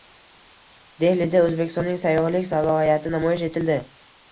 Dehlida Oʻzbekistonning sayyohlik salohiyati namoyish etildi